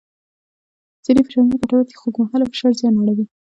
ځینې فشارونه ګټور دي خو اوږدمهاله فشار زیان اړوي.